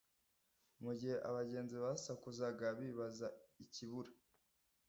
Mu gihe abagenzi basakuzaga bibaza ikibura